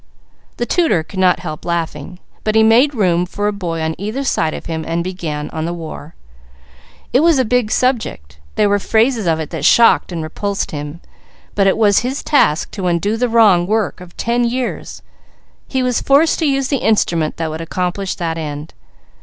The tutor could not help laughing; but he made room for a boy on either side of him, and began on the war. It was a big subject, there were phases of it that shocked and repulsed him; but it was his task to undo the wrong work of ten years, he was forced to use the instrument that would accomplish that end.